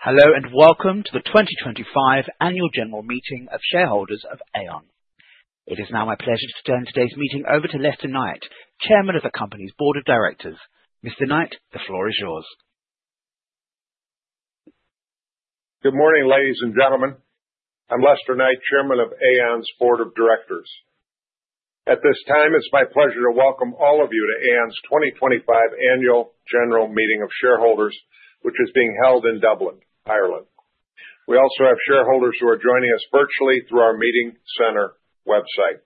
Hello and welcome to the 2025 Annual General Meeting of Shareholders of Aon. It is now my pleasure to turn today's meeting over to Lester Knight, Chairman of the Company's Board of Directors. Mr. Knight, the floor is yours. Good morning, ladies and gentlemen. I'm Lester Knight, Chairman of Aon's Board of Directors. At this time, it's my pleasure to welcome all of you to Aon's 2025 Annual General Meeting of Shareholders, which is being held in Dublin, Ireland. We also have shareholders who are joining us virtually through our meeting center website.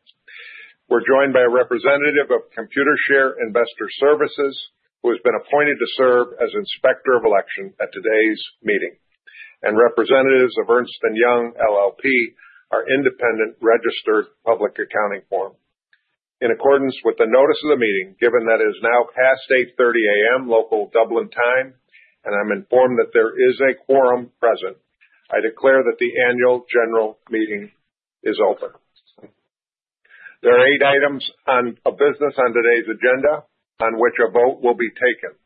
We're joined by a representative of Computershare Investor Services, who has been appointed to serve as Inspector of Election at today's meeting, and representatives of Ernst & Young LLP, our independent registered public accounting firm. In accordance with the notice of the meeting, given that it is now past 8:30 A.M. local Dublin time, and I'm informed that there is a quorum present, I declare that the Annual General Meeting is open. There are eight items of business on today's agenda on which a vote will be taken.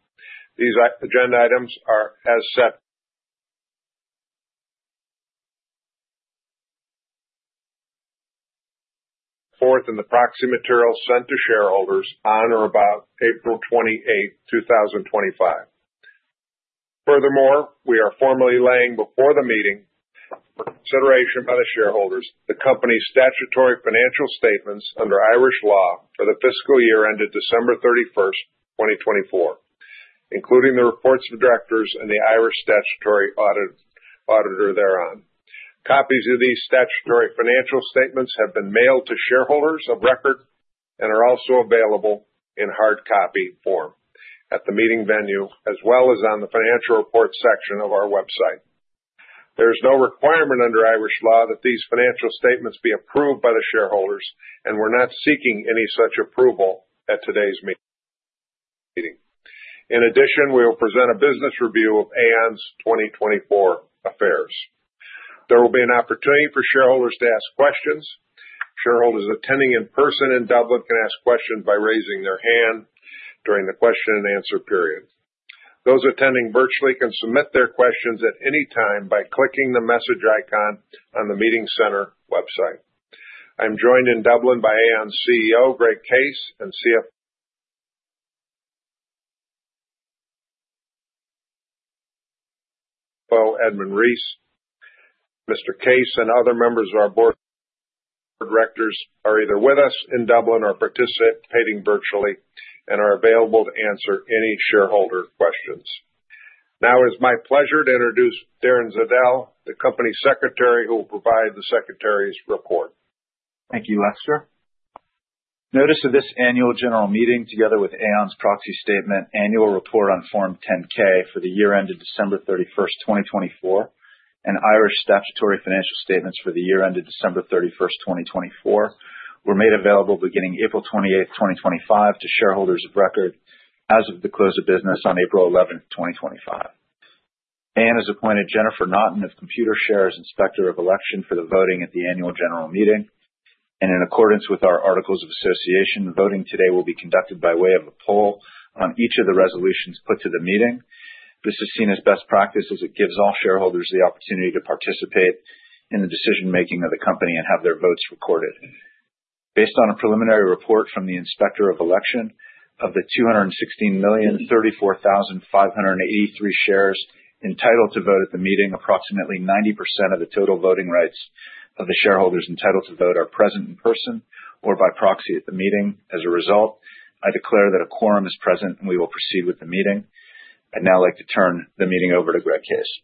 These agenda items are as set forth in the proxy materials sent to shareholders on or about April 28, 2025. Furthermore, we are formally laying before the meeting for consideration by the shareholders the Company's statutory financial statements under Irish law for the fiscal year ended December 31, 2024, including the reports of directors and the Irish statutory auditor thereon. Copies of these statutory financial statements have been mailed to shareholders of record and are also available in hard copy form at the meeting venue, as well as on the financial report section of our website. There is no requirement under Irish law that these financial statements be approved by the shareholders, and we're not seeking any such approval at today's meeting. In addition, we will present a business review of Aon's 2024 affairs. There will be an opportunity for shareholders to ask questions. Shareholders attending in person in Dublin can ask questions by raising their hand during the question and answer period. Those attending virtually can submit their questions at any time by clicking the message icon on the meeting center website. I'm joined in Dublin by Aon's CEO, Greg Case, and CFO Edmund Reese. Mr. Case and other members of our board of directors are either with us in Dublin or participating virtually and are available to answer any shareholder questions. Now, it is my pleasure to introduce Darren Zeidel, the Company Secretary, who will provide the Secretary's report. Thank you, Lester. Notice of this Annual General Meeting, together with Aon's Proxy Statement, Annual Report on Form 10-K for the year ended December 31, 2024, and Irish statutory financial statements for the year ended December 31, 2024, were made available beginning April 28, 2025, to shareholders of record as of the close of business on April 11, 2025, and as appointed, Jennifer Naughton of Computershare as Inspector of Election for the voting at the Annual General Meeting and in accordance with our Articles of Association, voting today will be conducted by way of a poll on each of the resolutions put to the meeting. This is seen as best practice as it gives all shareholders the opportunity to participate in the decision-making of the Company and have their votes recorded. Based on a preliminary report from the Inspector of Election, of the 216,034,583 shares entitled to vote at the meeting, approximately 90% of the total voting rights of the shareholders entitled to vote are present in person or by proxy at the meeting. As a result, I declare that a quorum is present and we will proceed with the meeting. I'd now like to turn the meeting over to Greg Case.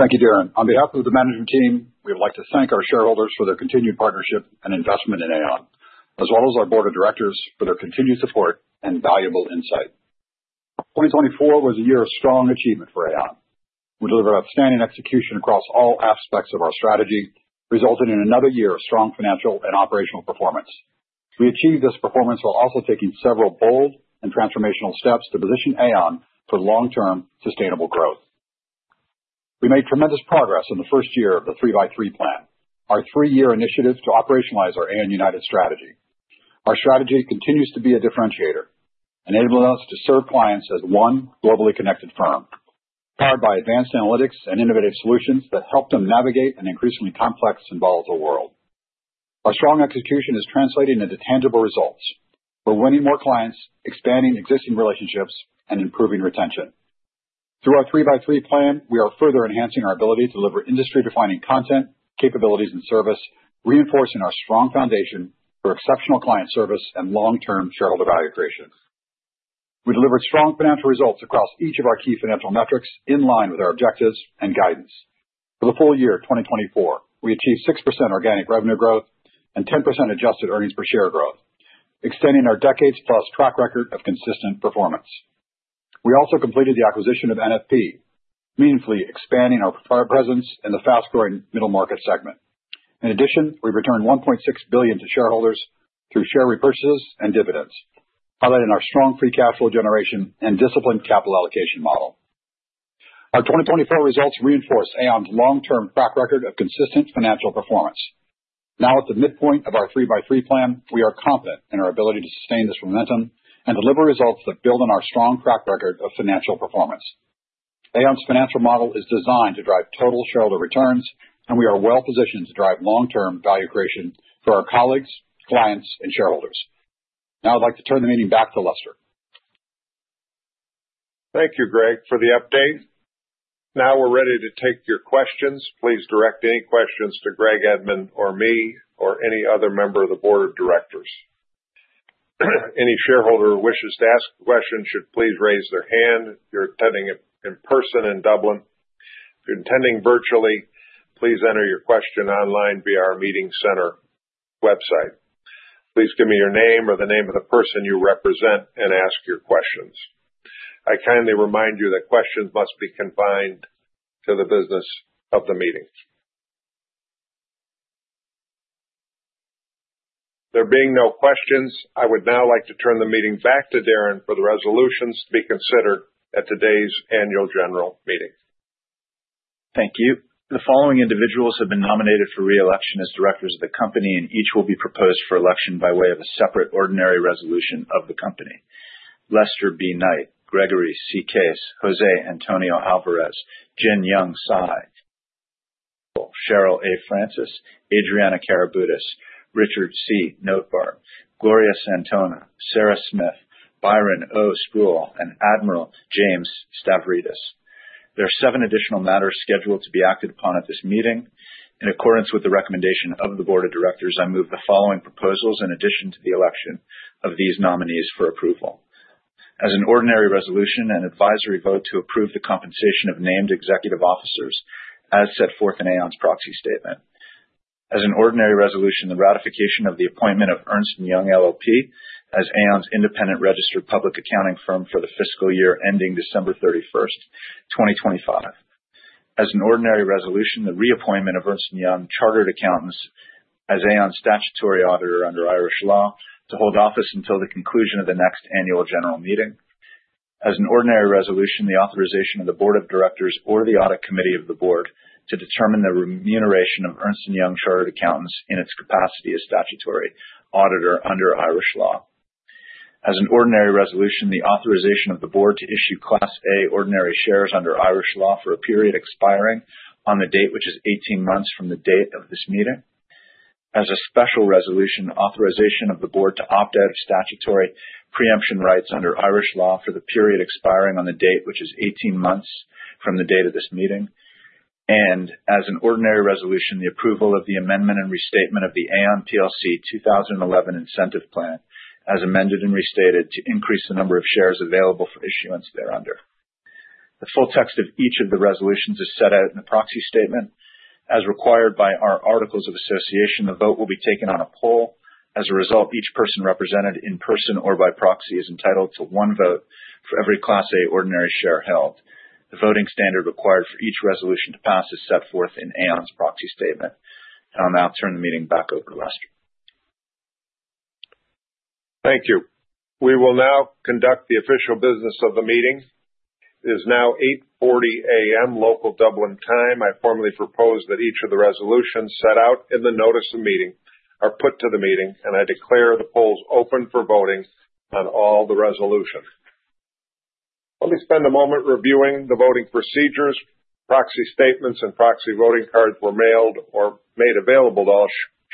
Thank you, Darren. On behalf of the management team, we would like to thank our shareholders for their continued partnership and investment in Aon, as well as our Board of Directors for their continued support and valuable insight. 2024 was a year of strong achievement for Aon. We delivered outstanding execution across all aspects of our strategy, resulting in another year of strong financial and operational performance. We achieved this performance while also taking several bold and transformational steps to position Aon for long-term sustainable growth. We made tremendous progress in the first year of the 3x3 Plan, our three-year initiative to operationalize our Aon United strategy. Our strategy continues to be a differentiator, enabling us to serve clients as one globally connected firm, powered by advanced analytics and innovative solutions that help them navigate an increasingly complex and volatile world. Our strong execution is translating into tangible results. We're winning more clients, expanding existing relationships, and improving retention. Through our 3x3 Plan, we are further enhancing our ability to deliver industry-defining content, capabilities, and service, reinforcing our strong foundation for exceptional client service and long-term shareholder value creation. We delivered strong financial results across each of our key financial metrics in line with our objectives and guidance. For the full year of 2024, we achieved 6% organic revenue growth and 10% adjusted earnings per share growth, extending our decades-plus track record of consistent performance. We also completed the acquisition of NFP, meaningfully expanding our presence in the fast-growing middle market segment. In addition, we've returned $1.6 billion to shareholders through share repurchases and dividends, highlighting our strong free cash flow generation and disciplined capital allocation model. Our 2024 results reinforce Aon's long-term track record of consistent financial performance. Now, at the midpoint of our 3x3 Plan, we are confident in our ability to sustain this momentum and deliver results that build on our strong track record of financial performance. Aon's financial model is designed to drive total shareholder returns, and we are well-positioned to drive long-term value creation for our colleagues, clients, and shareholders. Now, I'd like to turn the meeting back to Lester. Thank you, Greg, for the update. Now we're ready to take your questions. Please direct any questions to Greg, Edmund, or me, or any other member of the Board of Directors. Any shareholder who wishes to ask a question should please raise their hand. If you're attending in person in Dublin, if you're attending virtually, please enter your question online via our meeting center website. Please give me your name or the name of the person you represent and ask your questions. I kindly remind you that questions must be confined to the business of the meeting. There being no questions, I would now like to turn the meeting back to Darren for the resolutions to be considered at today's Annual General Meeting. Thank you. The following individuals have been nominated for re-election as directors of the Company, and each will be proposed for election by way of a separate ordinary resolution of the Company: Lester B. Knight, Gregory C. Case, José Antonio Alvarez, Jin-Yong Cai, Cheryl A. Francis, Adriana Karaboutis, Richard C. Notebaert, Gloria Santona, Sarah Smith, Byron O. Spruell, and Admiral James Stavridis. There are seven additional matters scheduled to be acted upon at this meeting. In accordance with the recommendation of the Board of Directors, I move the following proposals in addition to the election of these nominees for approval: as an ordinary resolution, an advisory vote to approve the compensation of named executive officers, as set forth in Aon's Proxy Statement, as an ordinary resolution, the ratification of the appointment of Ernst & Young LLP as Aon's independent registered public accounting firm for the fiscal year ending December 31, 2025, as an ordinary resolution, the reappointment of Ernst & Young Chartered Accountants as Aon's statutory auditor under Irish law to hold office until the conclusion of the next Annual General Meeting, as an ordinary resolution, the authorization of the Board of Directors or the Audit Committee of the Board to determine the remuneration of Ernst & Young Chartered Accountants in its capacity as statutory auditor under Irish law, as an ordinary resolution, the authorization of the Board to issue Class A Ordinary Shares under Irish law for a period expiring on the date which is 18 months from the date of this meeting, as a special resolution, authorization of the Board to opt out of Statutory Pre-emption Rights under Irish law for the period expiring on the date which is 18 months from the date of this meeting, and as an ordinary resolution, the approval of the amendment and restatement of the Aon plc 2011 Incentive Plan, as amended and restated, to increase the number of shares available for issuance thereunder. The full text of each of the resolutions is set out in the Proxy Statement. As required by our Articles of Association, the vote will be taken on a poll. As a result, each person represented in person or by proxy is entitled to one vote for every Class A Ordinary Share held. The voting standard required for each resolution to pass is set forth in Aon's Proxy Statement. I'll now turn the meeting back over to Lester. Thank you. We will now conduct the official business of the meeting. It is now 8:40 A.M. local Dublin time. I formally propose that each of the resolutions set out in the notice of meeting are put to the meeting, and I declare the polls open for voting on all the resolutions. Let me spend a moment reviewing the voting procedures. Proxy statements and proxy voting cards were mailed or made available to all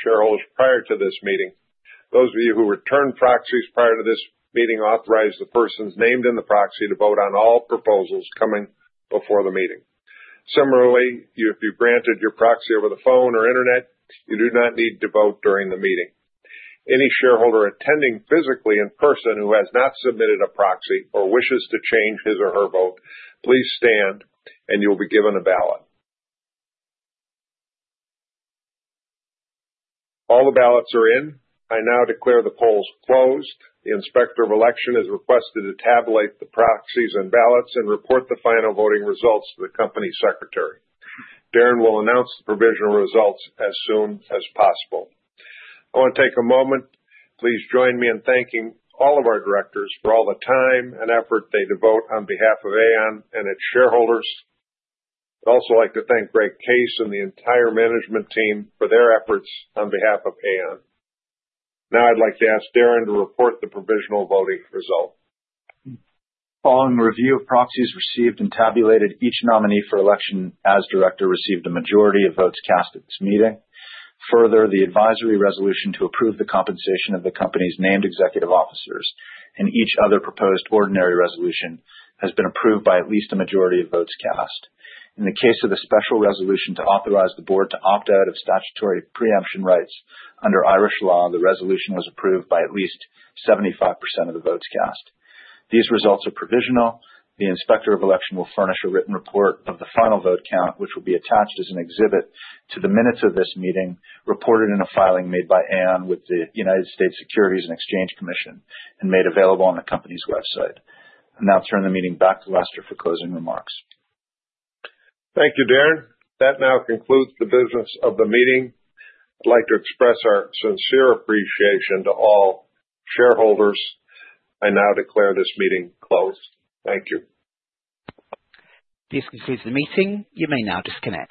shareholders prior to this meeting. Those of you who returned proxies prior to this meeting authorize the persons named in the proxy to vote on all proposals coming before the meeting. Similarly, if you've granted your proxy over the phone or internet, you do not need to vote during the meeting. Any shareholder attending physically in person who has not submitted a proxy or wishes to change his or her vote, please stand, and you'll be given a ballot. All the ballots are in. I now declare the polls closed. The Inspector of Election has requested to tabulate the proxies and ballots and report the final voting results to the Company Secretary. Darren will announce the provisional results as soon as possible. I want to take a moment. Please join me in thanking all of our directors for all the time and effort they devote on behalf of Aon and its shareholders. I'd also like to thank Greg Case and the entire management team for their efforts on behalf of Aon. Now, I'd like to ask Darren to report the provisional voting result. Following review of proxies received and tabulated, each nominee for election as director received a majority of votes cast at this meeting. Further, the advisory resolution to approve the compensation of the Company's named executive officers and each other proposed ordinary resolution has been approved by at least a majority of votes cast. In the case of the special resolution to authorize the Board to opt out of Statutory Pre-emption Rights under Irish law, the resolution was approved by at least 75% of the votes cast. These results are provisional. The Inspector of Election will furnish a written report of the final vote count, which will be attached as an exhibit to the minutes of this meeting reported in a filing made by Aon with the United States Securities and Exchange Commission and made available on the Company's website. I'll now turn the meeting back to Lester for closing remarks. Thank you, Darren. That now concludes the business of the meeting. I'd like to express our sincere appreciation to all shareholders. I now declare this meeting closed. Thank you. This concludes the meeting. You may now disconnect.